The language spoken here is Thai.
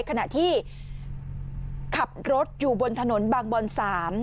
ขณะที่ขับรถอยู่บนถนนบางบอน๓